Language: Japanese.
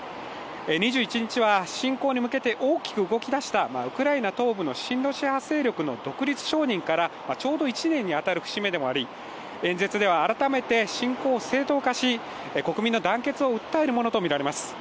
２１日は侵攻に向けて大きく動きだしたウクライナ東部の親ロシア派勢力の独立承認から１年目に当たる節目でもあり演説では改めて侵攻を正当化し国民の団結を訴えるものとみられます。